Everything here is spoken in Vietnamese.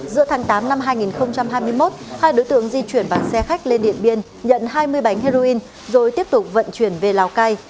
giữa tháng tám năm hai nghìn hai mươi một hai đối tượng di chuyển bằng xe khách lên điện biên nhận hai mươi bánh heroin rồi tiếp tục vận chuyển về lào cai